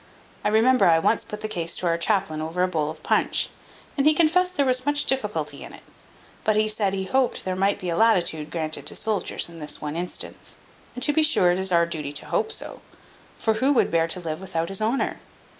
I remember I once put the case to our chaplain over a bowl of punch, and he confessed there was much difficulty in it; but he said, he hoped there might be a latitude granted to soldiers in this one instance; and to be sure it is our duty to hope so; for who would bear to live without his honour?